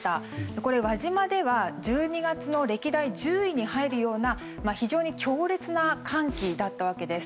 これ、輪島では１２月の歴代１０位に入るような非常に強烈な寒気だったわけです。